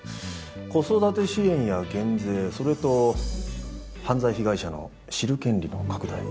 子育て支援や減税それと犯罪被害者の知る権利の拡大。